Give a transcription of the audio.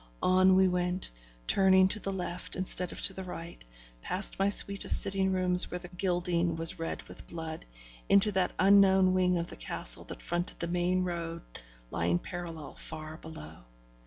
On we went, turning to the left instead of to the right, past my suite of sitting rooms where the gilding was red with blood, into that unknown wing of the castle that fronted the main road lying parallel far below.